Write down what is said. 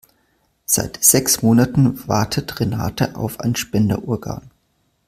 Seit sechs Monaten wartet Renate auf ein Spenderorgan.